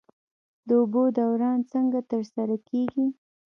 د اوبو دوران څنګه ترسره کیږي؟